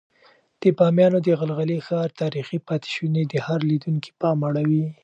د بامیانو د غلغلي ښار تاریخي پاتې شونې د هر لیدونکي پام اړوي.